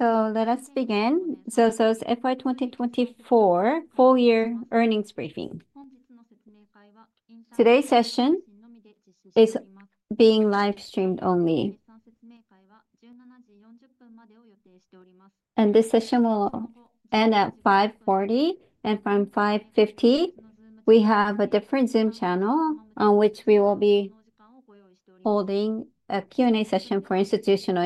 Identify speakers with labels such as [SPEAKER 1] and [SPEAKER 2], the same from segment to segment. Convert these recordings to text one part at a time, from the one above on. [SPEAKER 1] Let us begin. ZOZO's FY 2024 full-year earnings briefing. Today's session is being live-streamed only. This session will end at 5:40, and from 5:50 we have a different Zoom channel on which we will be holding a Q&A session for institutional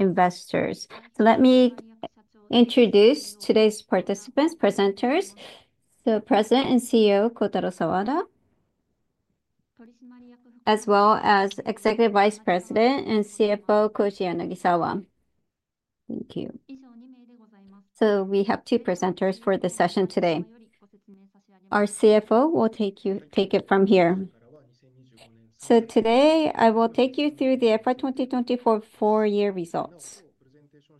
[SPEAKER 1] investors. Let me introduce today's participants, presenters. President and CEO Kotaro Sawada, as well as Executive Vice President and CFO Koji Yanagisawa. Thank you. We have two presenters for this session today. Our CFO will take it from here.
[SPEAKER 2] Today I will take you through the FY 2024 full-year results.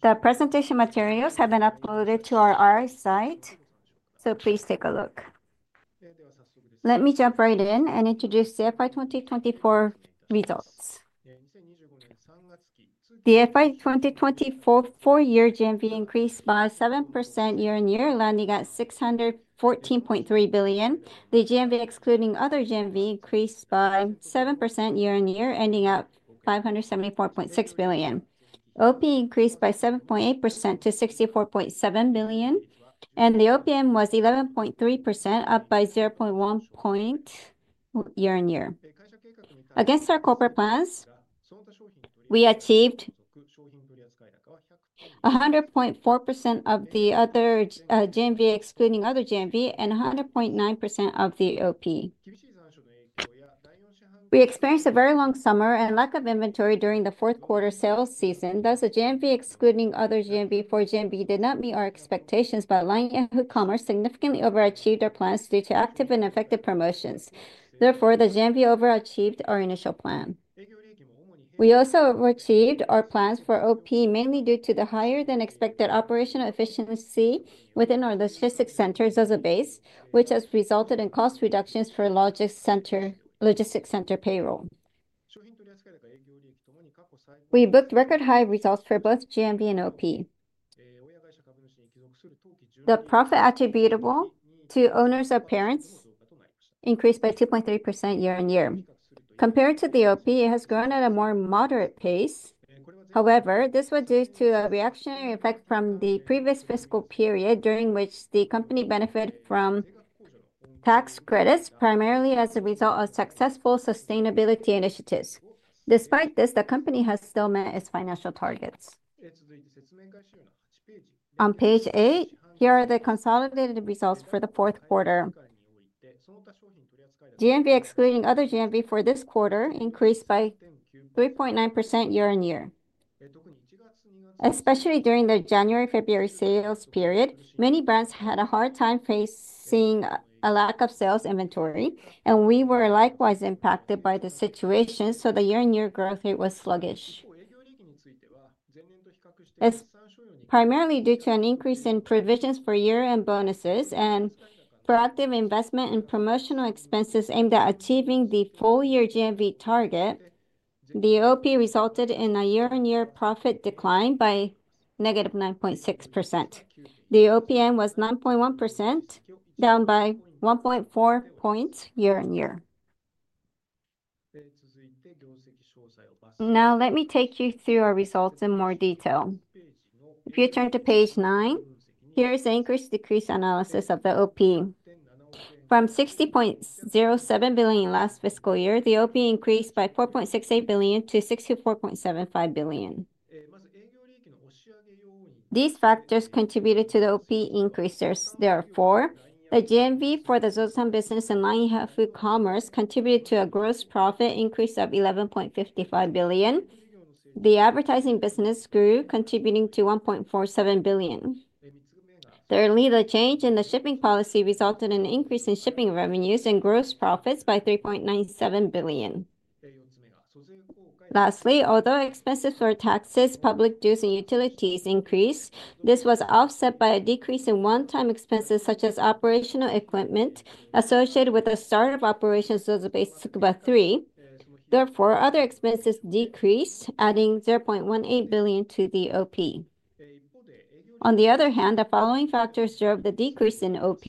[SPEAKER 2] The presentation materials have been uploaded to our IR site, so please take a look. Let me jump right in and introduce the FY 2024 results. The FY 2024 full-year GMV increased by 7% year-on-year, landing at 614.3 billion. The GMV, excluding other GMV, increased by 7% year-on-year, ending at 574.6 billion. OP increased by 7.8% to 64.7 billion, and the OPM was 11.3%, up by 0.1 percentage point year-on-year. Against our corporate plans, we achieved 100.4% of the GMV, excluding other GMV, and 100.9% of the OP. We experienced a very long summer and lack of inventory during the fourth quarter sales season. Thus, the GMV, excluding other GMV, did not meet our expectations, but line income significantly overachieved our plans due to active and effective promotions. Therefore, the GMV overachieved our initial plan. We also overachieved our plans for OP mainly due to the higher-than-expected operational efficiency within our logistics center, ZOZOBASE, which has resulted in cost reductions for logistics center payroll. We booked record-high results for both GMV and OP. The profit attributable to owners or parents increased by 2.3% year-on-year. Compared to the OP, it has grown at a more moderate pace. However, this was due to a reactionary effect from the previous fiscal period, during which the company benefited from tax credits, primarily as a result of successful sustainability initiatives. Despite this, the company has still met its financial targets. On page eight, here are the consolidated results for the fourth quarter. GMV, excluding other GMV, for this quarter increased by 3.9% year-on-year. Especially during the January-February sales period, many brands had a hard time facing a lack of sales inventory, and we were likewise impacted by the situation, so the year-on-year growth rate was sluggish. Primarily due to an increase in provisions for year-end bonuses and proactive investment in promotional expenses aimed at achieving the full-year GMV target, the OP resulted in a year-on-year profit decline by negative 9.6%. The OPM was 9.1%, down by 1.4 percentage points year-on-year. Now, let me take you through our results in more detail. If you turn to page nine, here is the increase-decrease analysis of the OP. From 60.07 billion last fiscal year, the OP increased by 4.68 billion to 64.75 billion. These factors contributed to the OP increases. Therefore, the GMV for the ZOZO business and LINE Yahoo Commerce contributed to a gross profit increase of 11.55 billion. The advertising business grew, contributing 1.47 billion. Thirdly, the change in the shipping policy resulted in an increase in shipping revenues and gross profits by 3.97 billion. Lastly, although expenses for taxes, public dues, and utilities increased, this was offset by a decrease in one-time expenses such as operational equipment associated with the start of operations of ZOZOBASE TSUKUBA 3,. Therefore, other expenses decreased, adding 0.18 billion to the OP. On the other hand, the following factors drove the decrease in OP.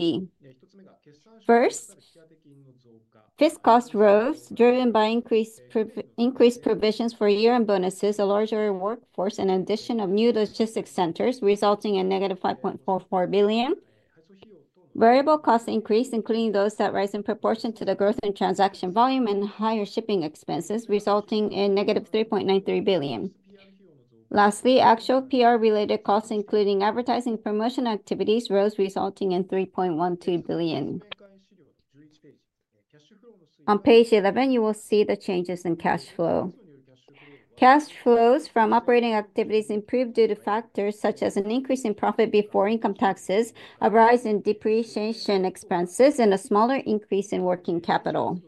[SPEAKER 2] First, fixed costs rose, driven by increased provisions for year-end bonuses, a larger workforce, and the addition of new logistics centers, resulting in negative 5.44 billion. Variable costs increased, including those that rise in proportion to the growth in transaction volume and higher shipping expenses, resulting in negative 3.93 billion. Lastly, actual PR-related costs, including advertising promotion activities, rose, resulting in 3.12 billion. On page 11, you will see the changes in cash flow. Cash flows from operating activities improved due to factors such as an increase in profit before income taxes, a rise in depreciation expenses, and a smaller increase in working capital.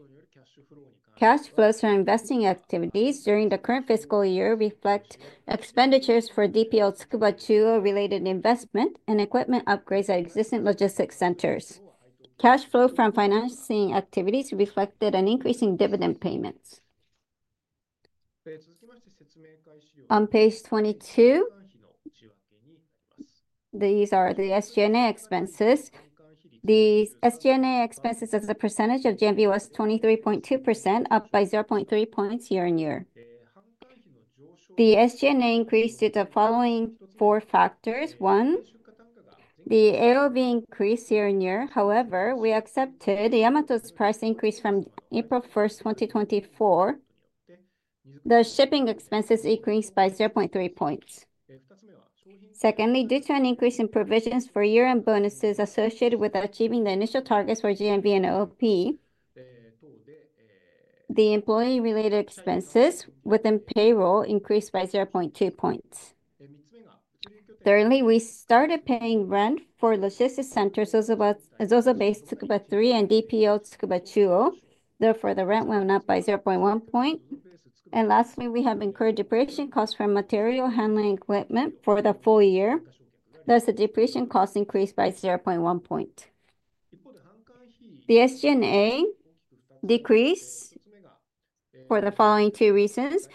[SPEAKER 2] Cash flows from investing activities during the current fiscal year reflect expenditures for DPL Tsukuba 2 related investment and equipment upgrades at existing logistics centers. Cash flow from financing activities reflected an increase in dividend payments. On page 22, these are the SG&A expenses. The SG&A expenses as a percentage of GMV was 23.2%, up by 0.3 percentage points year-on-year. The SG&A increased due to the following four factors. One, the AOV increased year-on-year. However, we accepted Yamato's price increase from April 1, 2024. The shipping expenses increased by 0.3 percentage points. Secondly, due to an increase in provisions for year-end bonuses associated with achieving the initial targets for GMV and OP, the employee-related expenses within payroll increased by 0.2 percentage points. Thirdly, we started paying rent for logistics centers, ZOZOBASE TSUKUBA 3, and DPL Tsukuba 2. Therefore, the rent went up by 0.1 percentage point. Lastly, we have incurred depreciation costs from material handling equipment for the full year. Thus, the depreciation cost increased by 0.1 percentage point. The SG&A decreased for the following two reasons.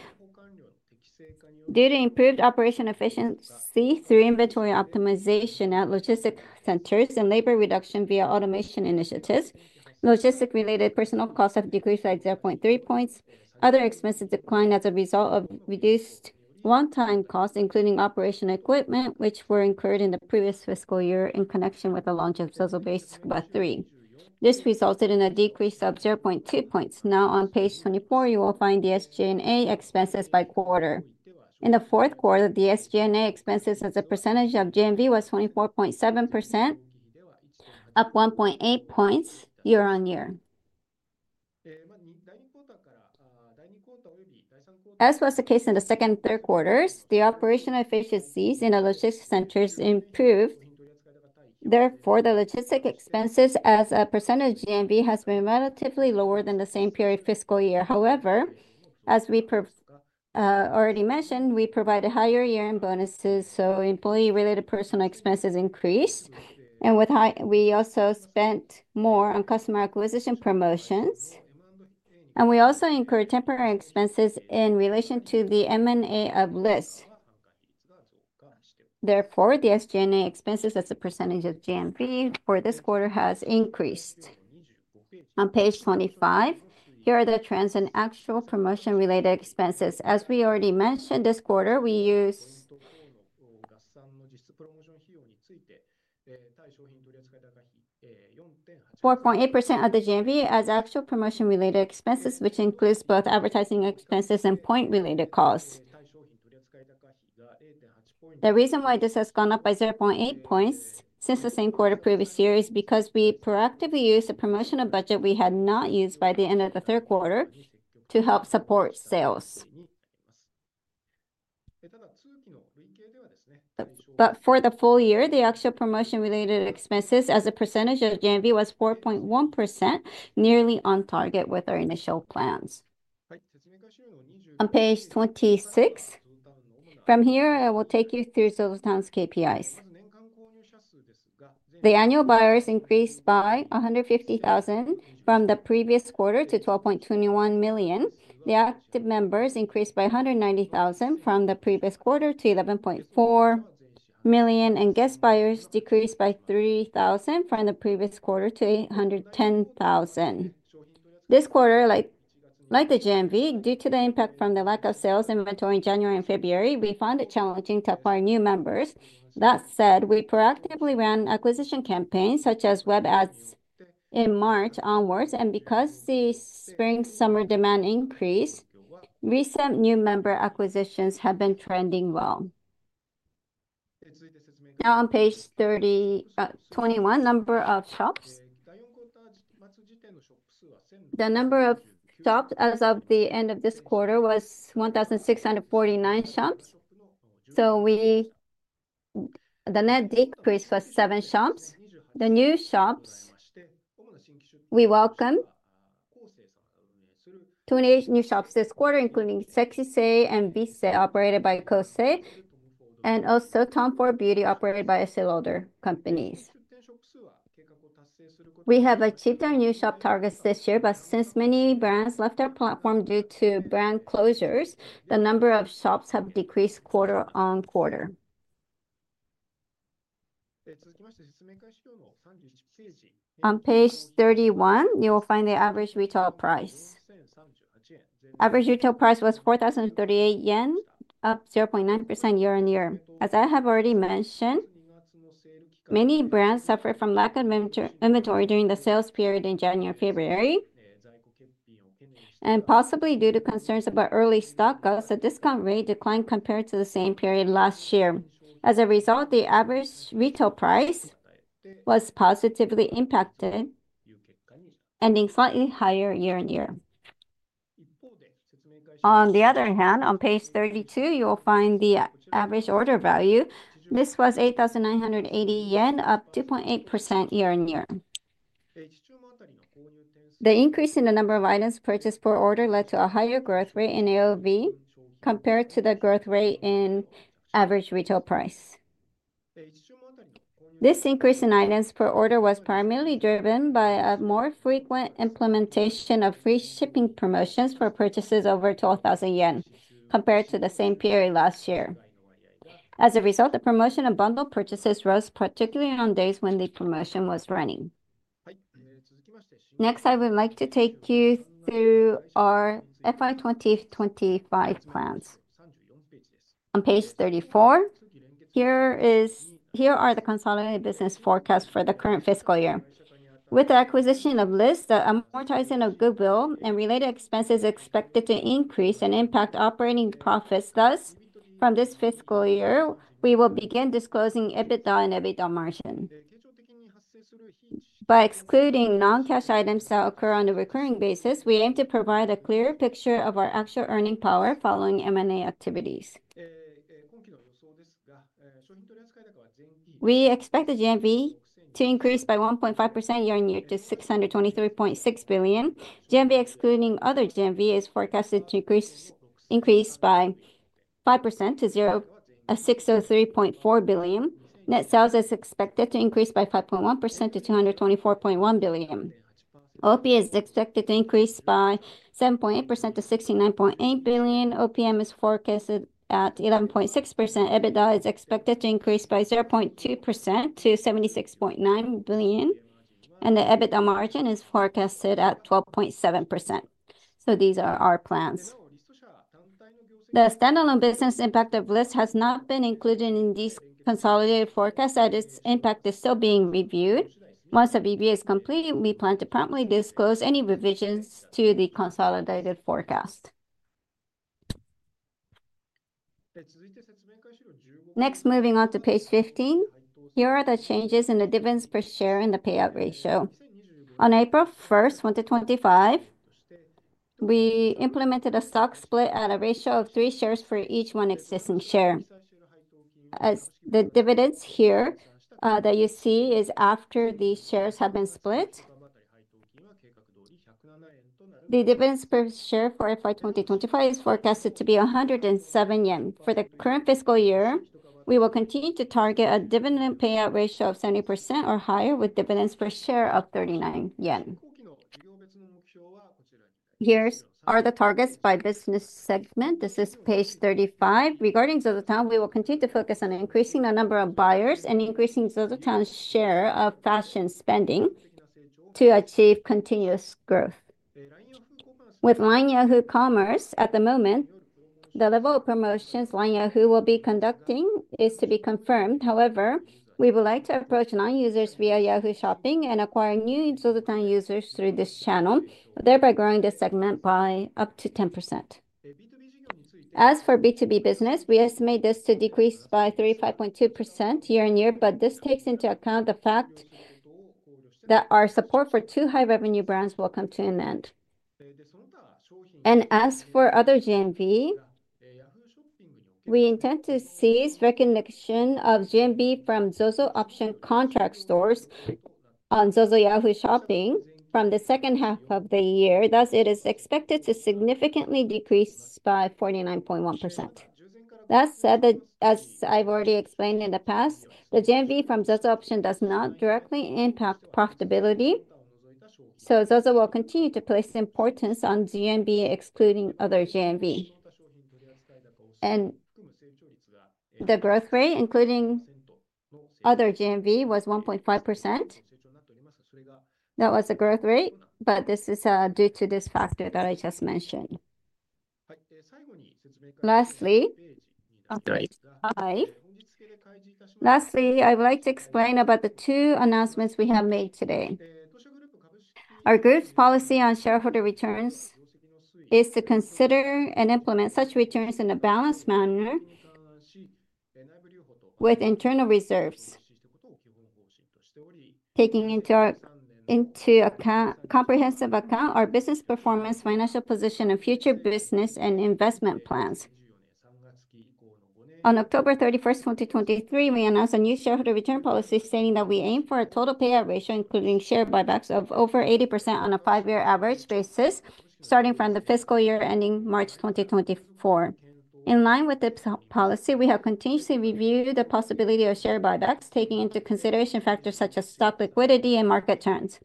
[SPEAKER 2] Due to improved operational efficiency through inventory optimization at logistics centers and labor reduction via automation initiatives, logistics-related personnel costs have decreased by 0.3 percentage points. Other expenses declined as a result of reduced one-time costs, including operational equipment, which were incurred in the previous fiscal year in connection with the launch of ZOZOBASE TSUKUBA 3,. This resulted in a decrease of 0.2 percentage points. Now, on page 24, you will find the SG&A expenses by quarter. In the fourth quarter, the SG&A expenses as a percentage of GMV was 24.7%, up 1.8 percentage points year-on-year. As was the case in the second and third quarters, the operational efficiencies in the logistics centers improved. Therefore, the logistics expenses as a percentage of GMV has been relatively lower than the same period last fiscal year. However, as we already mentioned, we provided higher year-end bonuses, so employee-related personnel expenses increased. We also spent more on customer acquisition promotions. We also incurred temporary expenses in relation to the M&A of Lyst. Therefore, the SG&A expenses as a percentage of GMV for this quarter has increased. On page 25, here are the trends in actual promotion-related expenses. As we already mentioned, this quarter, we used 4.8% of the GMV as actual promotion-related expenses, which includes both advertising expenses and point-related costs. The reason why this has gone up by 0.8 points since the same quarter previous year is because we proactively used the promotional budget we had not used by the end of the third quarter to help support sales. For the full year, the actual promotion-related expenses as a percentage of GMV was 4.1%, nearly on target with our initial plans. On page 26, from here, I will take you through ZOZOTOWN's KPIs. The annual buyers increased by 150,000 from the previous quarter to 12.21 million. The active members increased by 190,000 from the previous quarter to 11.4 million, and guest buyers decreased by 3,000 from the previous quarter to 810,000. This quarter, like the GMV, due to the impact from the lack of sales inventory in January and February, we found it challenging to acquire new members. That said, we proactively ran acquisition campaigns such as web ads in March onwards, and because the spring-summer demand increased, recent new member acquisitions have been trending well. Now, on page 21, the number of shops. The number of shops as of the end of this quarter was 1,649 shops. The net decrease was 7 shops. The new shops we welcomed 28 new shops this quarter, including Sekkisei and Visée operated by Kose, and also Tom Ford Beauty operated by The Estée Lauder Companies. We have achieved our new shop targets this year, but since many brands left our platform due to brand closures, the number of shops have decreased quarter-on-quarter. On page 31, you will find the average retail price. Average retail price was 4,038 yen, up 0.9% year-on-year. As I have already mentioned, many brands suffered from lack of inventory during the sales period in January-February, and possibly due to concerns about early stock, thus a discount rate declined compared to the same period last year. As a result, the average retail price was positively impacted, ending slightly higher year-on-year. On the other hand, on page 32, you will find the average order value. This was 8,980 yen, up 2.8% year-on-year. The increase in the number of items purchased per order led to a higher growth rate in AOV compared to the growth rate in average retail price. This increase in items per order was primarily driven by a more frequent implementation of free shipping promotions for purchases over 12,000 yen compared to the same period last year. As a result, the promotion of bundle purchases rose, particularly on days when the promotion was running. Next, I would like to take you through our FY 2025 plans. On page 34, here are the consolidated business forecasts for the current fiscal year. With the acquisition of Lyst, the amortization of goodwill and related expenses are expected to increase and impact operating profits. Thus, from this fiscal year, we will begin disclosing EBITDA and EBITDA margin by excluding non-cash items that occur on a recurring basis. We aim to provide a clearer picture of our actual earning power following M&A activities. We expect the GMV to increase by 1.5% year-on-year to 623.6 billion. GMV, excluding other GMV, is forecasted to increase by 5% to 603.4 billion. Net sales is expected to increase by 5.1% to 224.1 billion. OP is expected to increase by 7.8% to 69.8 billion. OPM is forecasted at 11.6%. EBITDA is expected to increase by 0.2% to 76.9 billion, and the EBITDA margin is forecasted at 12.7%. These are our plans. The standalone business impact of Lyst has not been included in these consolidated forecasts, as its impact is still being reviewed. Once the review is complete, we plan to promptly disclose any revisions to the consolidated forecast. Next, moving on to page 15, here are the changes in the dividends per share and the payout ratio. On April 1, 2025, we implemented a stock split at a ratio of three shares for each one existing share. The dividends here that you see is after these shares have been split. The dividends per share for FY 2025 is forecasted to be 107 yen. For the current fiscal year, we will continue to target a dividend payout ratio of 70% or higher, with dividends per share of 39 yen. Here are the targets by business segment. This is page 35. Regarding ZOZOTOWN, we will continue to focus on increasing the number of buyers and increasing ZOZOTOWN's share of fashion spending to achieve continuous growth. With LINE Yahoo Commerce, at the moment, the level of promotions LINE Yahoo will be conducting is to be confirmed. However, we would like to approach non-users via Yahoo! Shopping and acquire new ZOZOTOWN users through this channel, thereby growing the segment by up to 10%. As for B2B business, we estimate this to decrease by 35.2% year-on-year, but this takes into account the fact that our support for two high-revenue brands will come to an end. As for other GMV, we intend to cease recognition of GMV from ZOZO Option contract stores on ZOZO Yahoo! Shopping from the second half of the year. Thus, it is expected to significantly decrease by 49.1%. That said, as I've already explained in the past, the GMV from ZOZO Option does not directly impact profitability. ZOZO will continue to place importance on GMV, excluding other GMV. The growth rate, including other GMV, was 1.5%. That was the growth rate, but this is due to this factor that I just mentioned. Lastly, I would like to explain about the two announcements we have made today. Our group's policy on shareholder returns is to consider and implement such returns in a balanced manner with internal reserves. Taking into account our comprehensive account, our business performance, financial position, and future business and investment plans. On October 31, 2023, we announced a new shareholder return policy, stating that we aim for a total payout ratio, including share buybacks, of over 80% on a five-year average basis, starting from the fiscal year ending March 2024. In line with this policy, we have continuously reviewed the possibility of share buybacks, taking into consideration factors such as stock liquidity and market trends.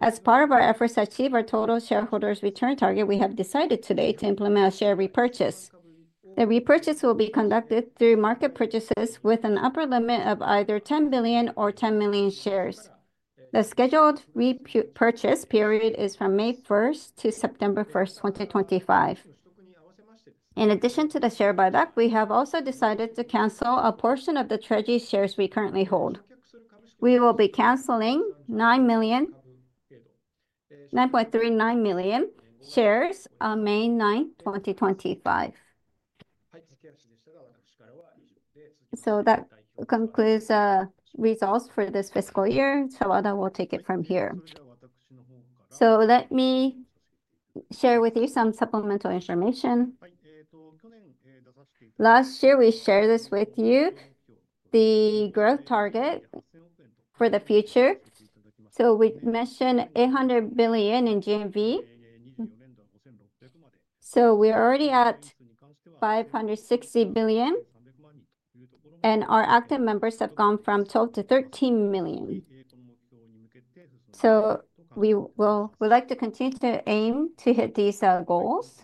[SPEAKER 2] As part of our efforts to achieve our total shareholders' return target, we have decided today to implement a share repurchase. The repurchase will be conducted through market purchases with an upper limit of either 10 billion or 10 million shares. The scheduled repurchase period is from May 1 to September 1, 2025. In addition to the share buyback, we have also decided to cancel a portion of the treasury shares we currently hold. We will be canceling 9.39 million shares on May 9, 2025. That concludes results for this fiscal year. I will take it from here. Let me share with you some supplemental information. Last year, we shared this with you, the growth target for the future. We mentioned 800 billion in GMV. We are already at 560 billion, and our active members have gone from 12 to 13 million. We would like to continue to aim to hit these goals.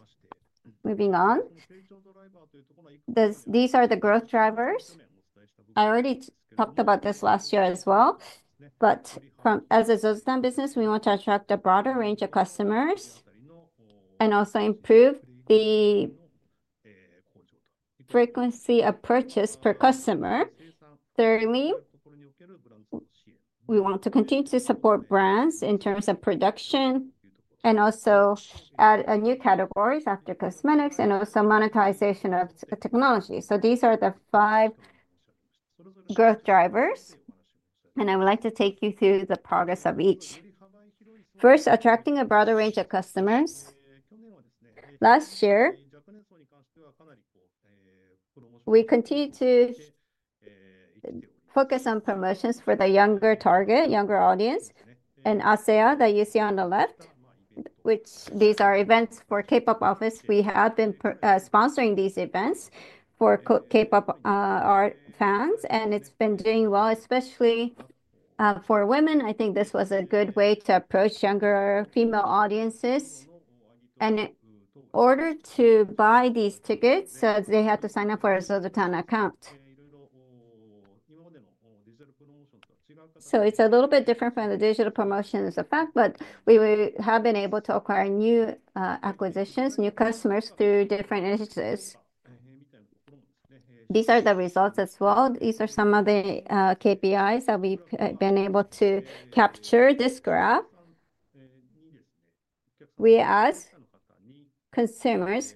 [SPEAKER 2] Moving on, these are the growth drivers. I already talked about this last year as well. As a ZOZOTOWN business, we want to attract a broader range of customers and also improve the frequency of purchase per customer. Thirdly, we want to continue to support brands in terms of production and also add new categories after cosmetics and also monetization of technology. These are the five growth drivers, and I would like to take you through the progress of each. First, attracting a broader range of customers. Last year, we continued to focus on promotions for the younger target, younger audience. ASEA, that you see on the left, which these are events for K-pop office. We have been sponsoring these events for K-pop artist fans, and it has been doing well, especially for women. I think this was a good way to approach younger female audiences. In order to buy these tickets, they had to sign up for a ZOZOTOWN account. It is a little bit different from the digital promotions effect, but we have been able to acquire new acquisitions, new customers through different initiatives. These are the results as well. These are some of the KPIs that we have been able to capture. This graph, we asked consumers,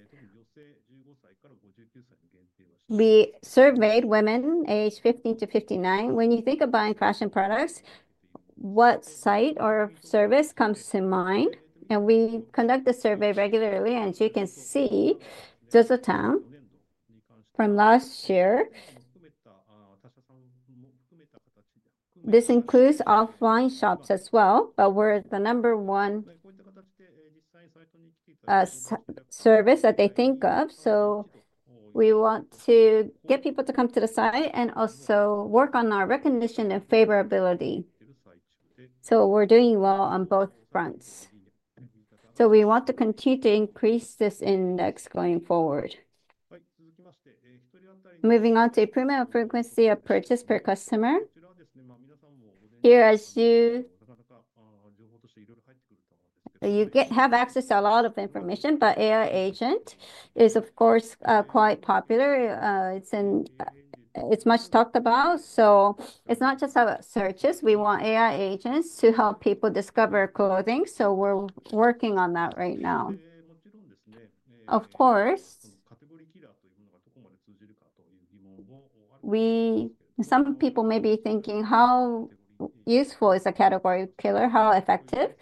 [SPEAKER 2] we surveyed women aged 15 to 59. When you think of buying fashion products, what site or service comes to mind? We conduct the survey regularly, and as you can see, ZOZOTOWN from last year, this includes offline shops as well, but we are the number one service that they think of. We want to get people to come to the site and also work on our recognition and favorability. We are doing well on both fronts. We want to continue to increase this index going forward. Moving on to premium frequency of purchase per customer. Here, as you have access to a lot of information, but AI agent is, of course, quite popular. It is in. It is much talked about. It is not just about searches. We want AI agents to help people discover clothing. We are working on that right now. Of course, some people may be thinking, how useful is a category killer, how effective?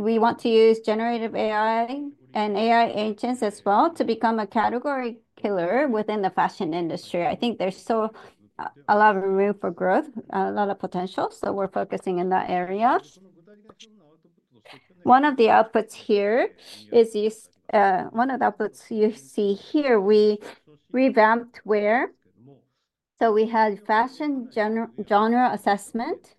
[SPEAKER 2] We want to use generative AI and AI agents as well to become a category killer within the fashion industry. I think there is still a lot of room for growth, a lot of potential. We are focusing in that area. One of the outputs here is one of the outputs you see here. We revamped WEAR. We had fashion genre assessment,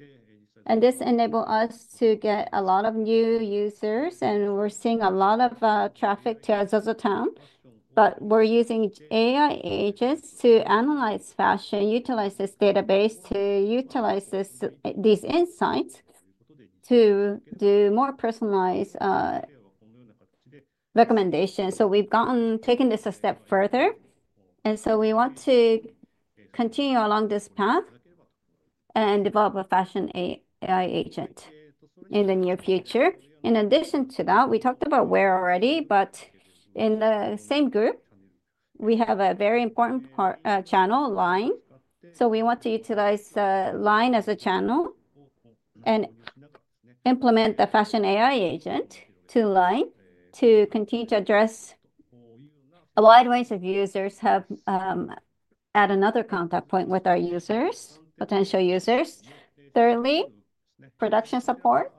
[SPEAKER 2] and this enabled us to get a lot of new users, and we are seeing a lot of traffic to ZOZOTOWN. We're using AI agents to analyze fashion, utilize this database, to utilize these insights to do more personalized recommendations. We've taken this a step further. We want to continue along this path and develop a fashion AI agent in the near future. In addition to that, we talked about WEAR already, but in the same group, we have a very important channel, LINE. We want to utilize LINE as a channel and implement the fashion AI agent to LINE to continue to address a wide range of users, add another contact point with our potential users. Thirdly, production support.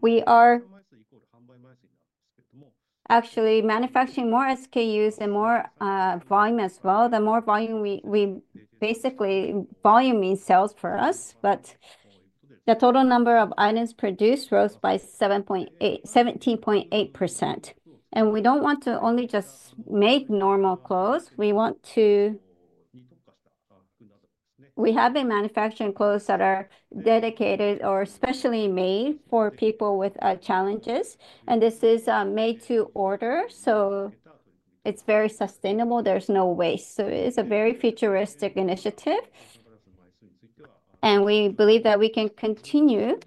[SPEAKER 2] We are actually manufacturing more SKUs and more volume as well. The more volume, basically volume means sales for us, but the total number of items produced rose by 17.8%. We don't want to only just make normal clothes. We want to have manufactured clothes that are dedicated or specially made for people with challenges. This is made to order. It is very sustainable. There is no waste. It is a very futuristic initiative. We believe that we can continue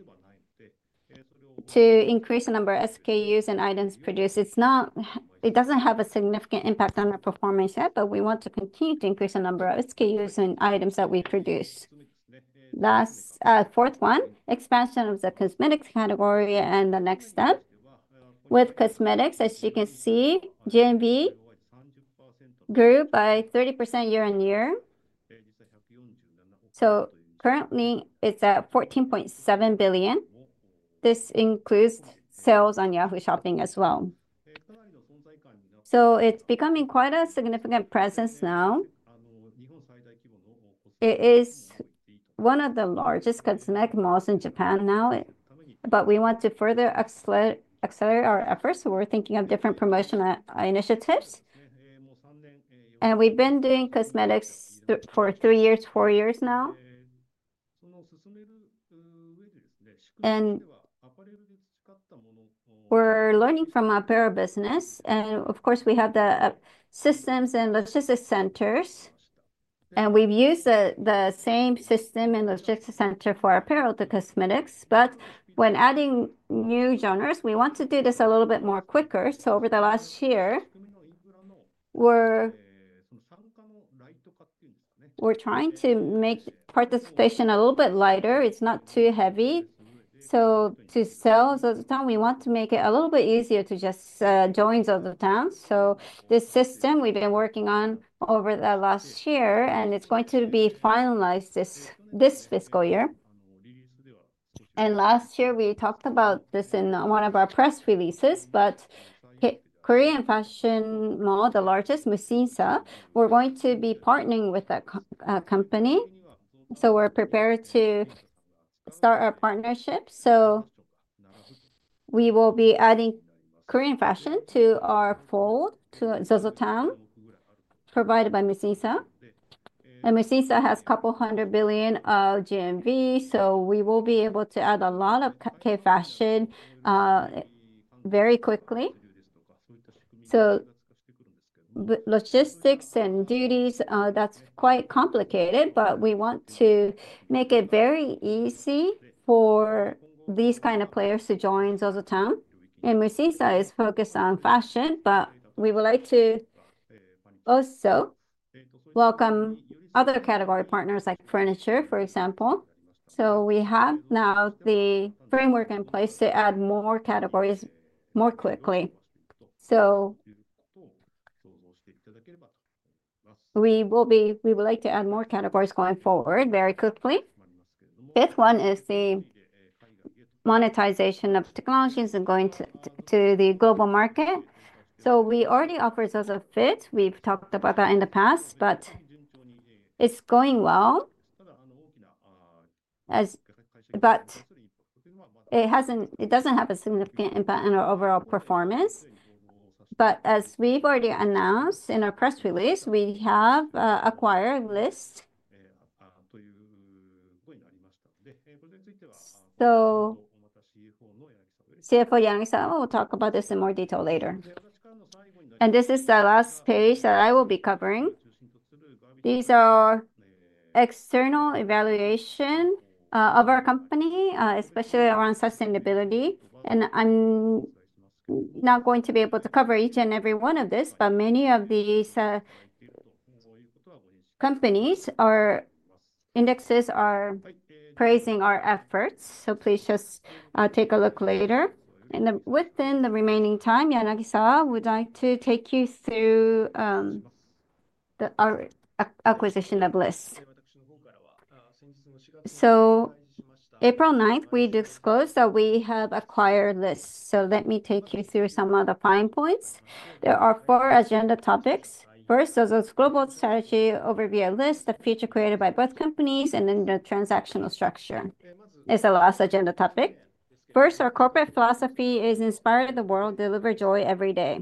[SPEAKER 2] to increase the number of SKUs and items produced. It does not have a significant impact on our performance yet, but we want to continue to increase the number of SKUs and items that we produce. Last, fourth one, expansion of the cosmetics category and the next step. With cosmetics, as you can see, GMV grew by 30% year-on-year. Currently, it is at 14.7 billion. This includes sales on Yahoo! Shopping as well. It is becoming quite a significant presence now. It is one of the largest cosmetic malls in Japan now. We want to further accelerate our efforts. We are thinking of different promotional initiatives. We have been doing cosmetics for three years, four years now. We are learning from the apparel business. Of course, we have the systems and logistics centers. We have used the same system and logistics center for apparel to cosmetics. When adding new genres, we want to do this a little bit more quickly. Over the last year, we are trying to make participation a little bit lighter. It is not too heavy. To sell on ZOZOTOWN, we want to make it a little bit easier to just join ZOZOTOWN. This system we have been working on over the last year, and it is going to be finalized this fiscal year. Last year, we talked about this in one of our press releases, but Korean fashion mall, the largest, Musinsa, we are going to be partnering with that company. We are prepared to start our partnership. We will be adding Korean fashion to our fold to ZOZOTOWN provided by Musinsa. Musinsa has a couple hundred billion JPY of GMV, so we will be able to add a lot of K-fashion very quickly. Logistics and duties, that's quite complicated, but we want to make it very easy for these kinds of players to join ZOZOTOWN. Musinsa is focused on fashion, but we would like to also welcome other category partners like furniture, for example. We have now the framework in place to add more categories more quickly. We would like to add more categories going forward very quickly. Fifth one is the monetization of technologies and going to the global market. We already offer ZOZO Fit. We've talked about that in the past, but it's going well. It doesn't have a significant impact on our overall performance. As we have already announced in our press release, we have acquired Lyst. This is the last page that I will be covering. These are external evaluations of our company, especially around sustainability. I am not going to be able to cover each and every one of these, but many of these companies' indexes are praising our efforts. Please just take a look later. Within the remaining time, Yanagisawa, we would like to take you through the acquisition of Lyst. On April 9, we disclosed that we have acquired Lyst. Let me take you through some of the fine points. There are four agenda topics. First, ZOZO's global strategy overview, Lyst, the future created by both companies, and then the transactional structure is the last agenda topic. First, our corporate philosophy is inspired by the world, deliver joy every day.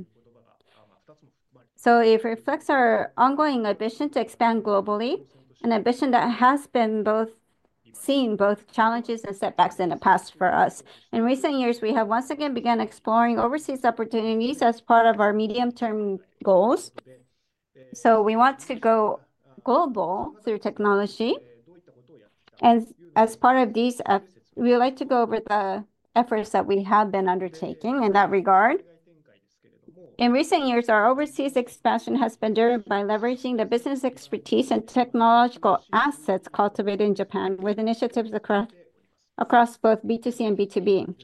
[SPEAKER 2] It reflects our ongoing ambition to expand globally, an ambition that has seen both challenges and setbacks in the past for us. In recent years, we have once again begun exploring overseas opportunities as part of our medium-term goals. We want to go global through technology. As part of these, we would like to go over the efforts that we have been undertaking in that regard. In recent years, our overseas expansion has been driven by leveraging the business expertise and technological assets cultivated in Japan with initiatives across both B2C and B2B.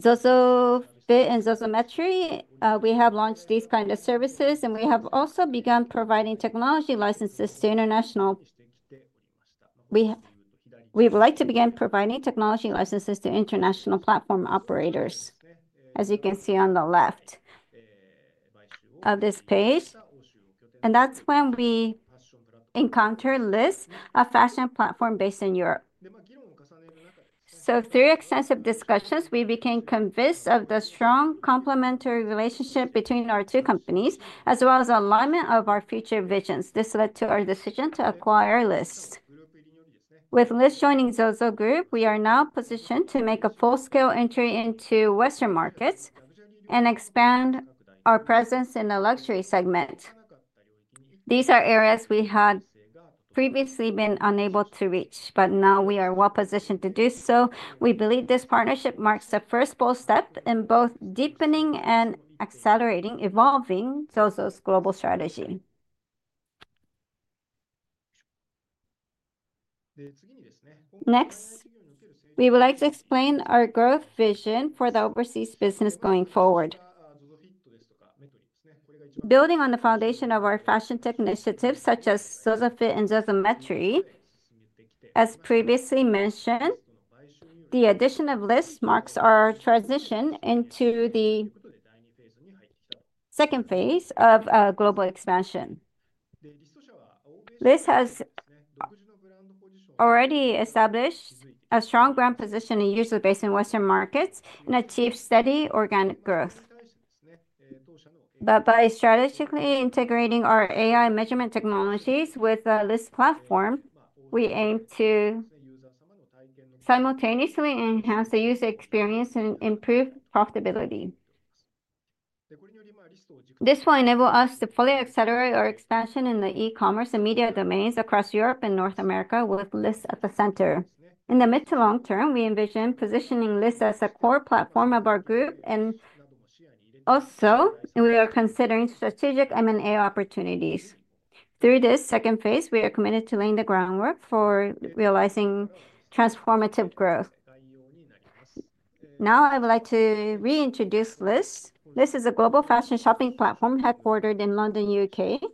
[SPEAKER 2] ZOZO Fit and ZOZO Metri, we have launched these kinds of services, and we have also begun providing technology licenses to international. We would like to begin providing technology licenses to international platform operators, as you can see on the left of this page. That is when we encountered Lyst, a fashion platform based in Europe. Through extensive discussions, we became convinced of the strong complementary relationship between our two companies, as well as alignment of our future visions. This led to our decision to acquire Lyst. With Lyst joining ZOZO Group, we are now positioned to make a full-scale entry into Western markets and expand our presence in the luxury segment. These are areas we had previously been unable to reach, but now we are well-positioned to do so. We believe this partnership marks the first bold step in both deepening and accelerating ZOZO's evolving global strategy. Next, we would like to explain our growth vision for the overseas business going forward. Building on the foundation of our fashion tech initiatives, such as ZOZO Fit and ZOZO Metri, as previously mentioned, the addition of Lyst marks our transition into the second phase of global expansion. Lyst has already established a strong brand position, usually based in Western markets, and achieved steady organic growth. By strategically integrating our AI measurement technologies with the Lyst platform, we aim to simultaneously enhance the user experience and improve profitability. This will enable us to fully accelerate our expansion in the e-commerce and media domains across Europe and North America with Lyst at the center. In the mid to long term, we envision positioning Lyst as a core platform of our group, and also, we are considering strategic M&A opportunities. Through this second phase, we are committed to laying the groundwork for realizing transformative growth. Now, I would like to reintroduce Lyst. Lyst is a global fashion shopping platform headquartered in London, United Kingdom,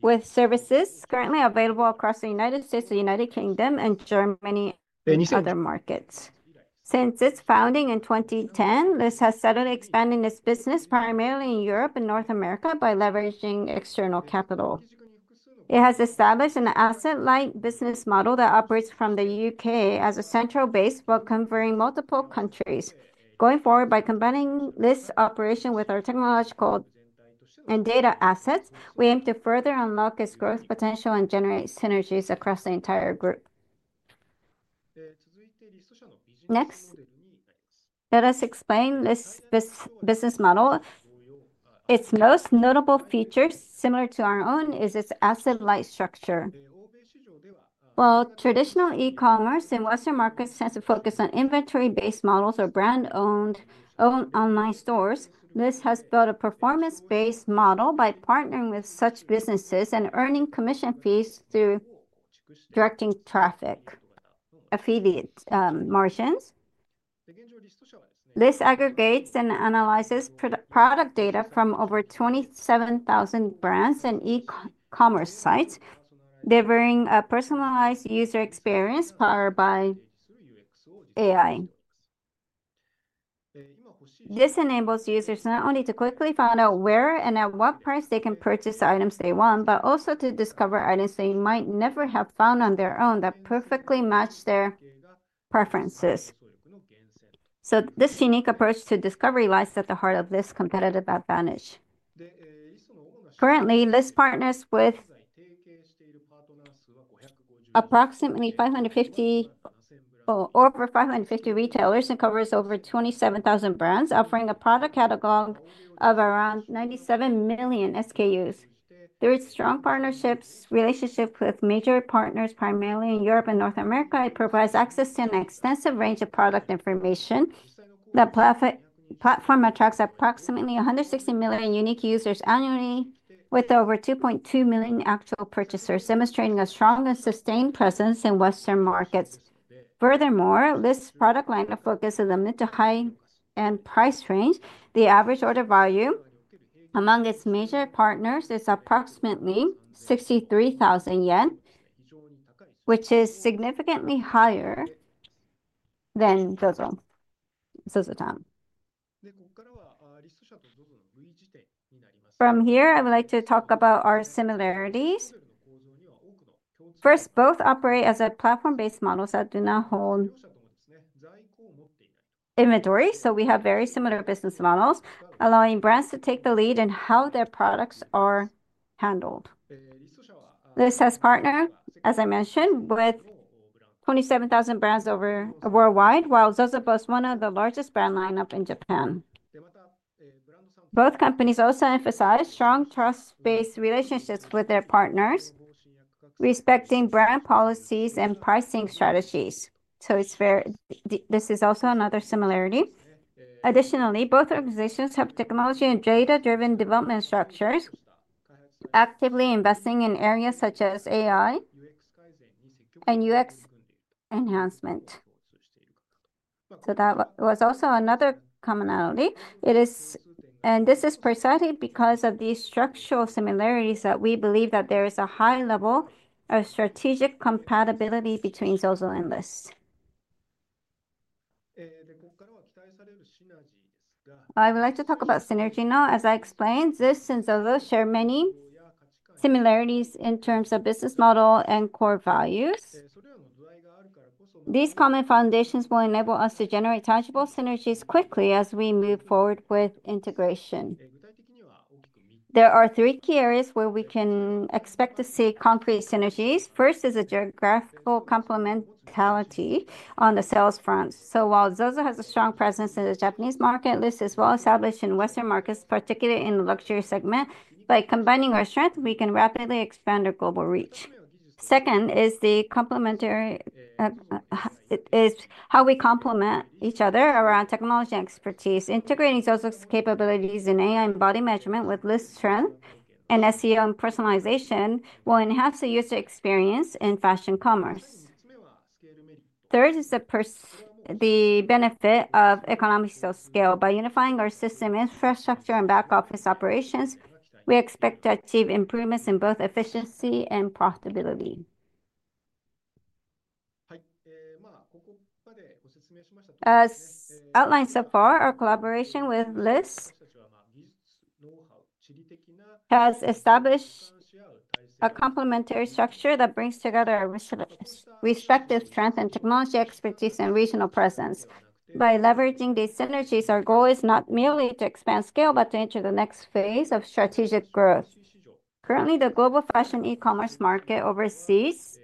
[SPEAKER 2] with services currently available across the United States, the United Kingdom, Germany, and other markets. Since its founding in 2010, Lyst has steadily expanded its business primarily in Europe and North America by leveraging external capital. It has established an asset-light business model that operates from the United Kingdom as a central base while covering multiple countries. Going forward, by combining Lyst's operation with our technological and data assets, we aim to further unlock its growth potential and generate synergies across the entire group. Next, let us explain Lyst's business model. Its most notable feature, similar to our own, is its asset-light structure. While traditional e-commerce in Western markets tends to focus on inventory-based models or brand-owned online stores, Lyst has built a performance-based model by partnering with such businesses and earning commission fees through directing traffic affiliate margins. Lyst aggregates and analyzes product data from over 27,000 brands and e-commerce sites, delivering a personalized user experience powered by AI. This enables users not only to quickly find out where and at what price they can purchase items they want, but also to discover items they might never have found on their own that perfectly match their preferences. This unique approach to discovery lies at the heart of Lyst's competitive advantage. Currently, Lyst partners with approximately 550 retailers and covers over 27,000 brands, offering a product catalog of around 97 million SKUs. Through its strong partnership relationship with major partners, primarily in Europe and North America, it provides access to an extensive range of product information. The platform attracts approximately 160 million unique users annually, with over 2.2 million actual purchasers, demonstrating a strong and sustained presence in Western markets. Furthermore, Lyst's product line of focus is limited to high-end price range. The average order value among its major partners is approximately 63,000 yen, which is significantly higher than ZOZOTOWN. From here, I would like to talk about our similarities. First, both operate as platform-based models that do not hold inventory, so we have very similar business models, allowing brands to take the lead in how their products are handled. Lyst has partnered, as I mentioned, with 27,000 brands worldwide, while ZOZO boasts one of the largest brand lineups in Japan. Both companies also emphasize strong trust-based relationships with their partners, respecting brand policies and pricing strategies. This is also another similarity. Additionally, both organizations have technology and data-driven development structures, actively investing in areas such as AI and UX enhancement. That was also another commonality. This is precisely because of these structural similarities that we believe that there is a high level of strategic compatibility between ZOZO and Lyst. I would like to talk about synergy now. As I explained, Lyst and ZOZO share many similarities in terms of business model and core values. These common foundations will enable us to generate tangible synergies quickly as we move forward with integration. There are three key areas where we can expect to see concrete synergies. First is a geographical complementarity on the sales front. While ZOZO has a strong presence in the Japanese market, Lyst is well-established in Western markets, particularly in the luxury segment. By combining our strength, we can rapidly expand our global reach. Second is how we complement each other around technology and expertise. Integrating ZOZO's capabilities in AI and body measurement with Lyst's strength in SEO and personalization will enhance the user experience in fashion commerce. Third is the benefit of economic scale. By unifying our system infrastructure and back office operations, we expect to achieve improvements in both efficiency and profitability. As outlined so far, our collaboration with Lyst has established a complementary structure that brings together our respective strengths and technology expertise and regional presence. By leveraging these synergies, our goal is not merely to expand scale, but to enter the next phase of strategic growth. Currently, the global fashion e-commerce market overseas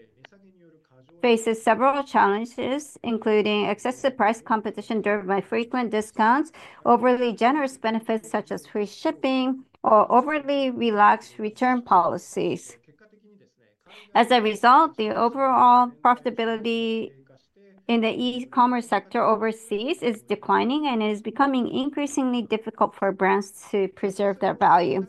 [SPEAKER 2] faces several challenges, including excessive price competition driven by frequent discounts, overly generous benefits such as free shipping, or overly relaxed return policies. As a result, the overall profitability in the e-commerce sector overseas is declining, and it is becoming increasingly difficult for brands to preserve their value.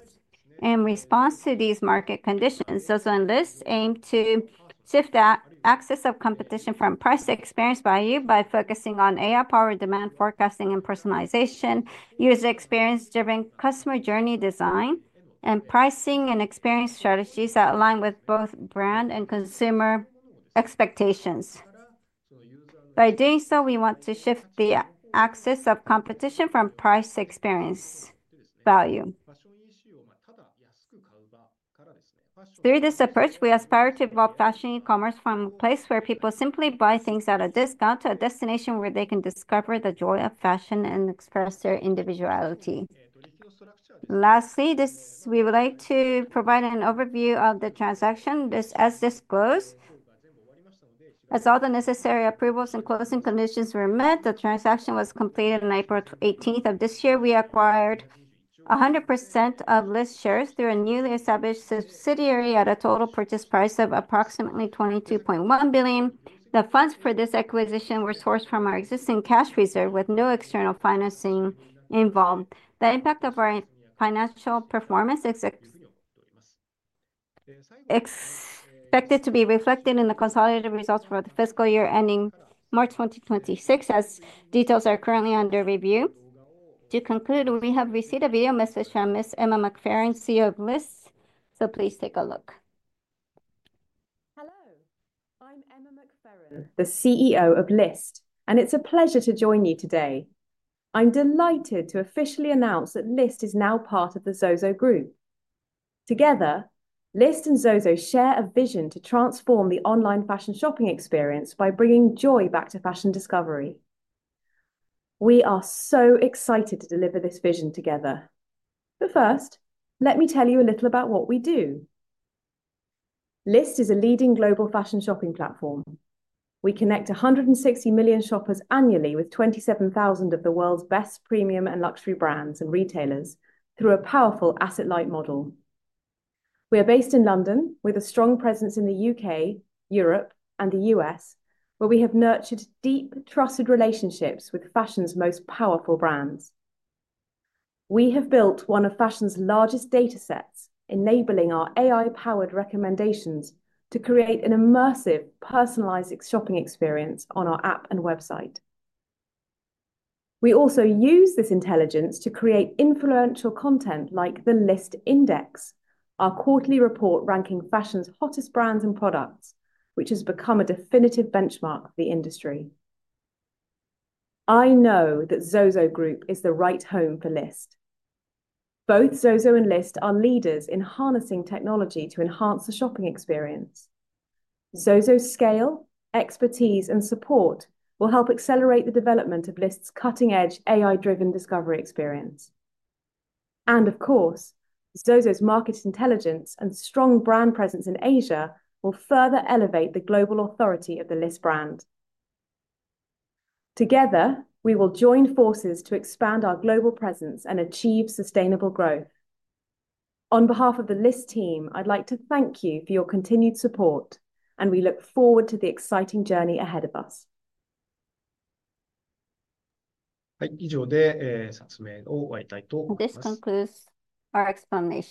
[SPEAKER 2] In response to these market conditions, ZOZO and Lyst aim to shift the axis of competition from price to experience value by focusing on AI-powered demand forecasting and personalization, user experience-driven customer journey design, and pricing and experience strategies that align with both brand and consumer expectations. By doing so, we want to shift the axis of competition from price to experience value. Through this approach, we aspire to evolve fashion e-commerce from a place where people simply buy things at a discount to a destination where they can discover the joy of fashion and express their individuality. Lastly, we would like to provide an overview of the transaction. As disclosed, as all the necessary approvals and closing conditions were met, the transaction was completed on April 18th of this year. We acquired 100% of Lyst's shares through a newly established subsidiary at a total purchase price of approximately 22.1 billion. The funds for this acquisition were sourced from our existing cash reserve, with no external financing involved. The impact on our financial performance is expected to be reflected in the consolidated results for the fiscal year ending March 2026, as details are currently under review. To conclude, we have received a video message from Ms. Emma McFerran, CEO of Lyst. Please take a look.
[SPEAKER 3] Hello. I'm Emma McFerran, the CEO of Lyst, and it's a pleasure to join you today. I'm delighted to officially announce that Lyst is now part of the ZOZO Group. Together, Lyst and ZOZO share a vision to transform the online fashion shopping experience by bringing joy back to fashion discovery. We are so excited to deliver this vision together. First, let me tell you a little about what we do. Lyst is a leading global fashion shopping platform. We connect 160 million shoppers annually with 27,000 of the world's best premium and luxury brands and retailers through a powerful asset-light model. We are based in London, with a strong presence in the U.K., Europe, and the U.S., where we have nurtured deep, trusted relationships with fashion's most powerful brands. We have built one of fashion's largest datasets, enabling our AI-powered recommendations to create an immersive, personalized shopping experience on our app and website. We also use this intelligence to create influential content like the Lyst Index, our quarterly report ranking fashion's hottest brands and products, which has become a definitive benchmark for the industry. I know that ZOZO Group is the right home for Lyst. Both ZOZO and Lyst are leaders in harnessing technology to enhance the shopping experience. ZOZO's scale, expertise, and support will help accelerate the development of Lyst's cutting-edge AI-driven discovery experience. Of course, ZOZO's market intelligence and strong brand presence in Asia will further elevate the global authority of the Lyst brand. Together, we will join forces to expand our global presence and achieve sustainable growth. On behalf of the Lyst team, I'd like to thank you for your continued support, and we look forward to the exciting journey ahead of us. 以上で説明を終えたいと思います。
[SPEAKER 2] This concludes our explanation.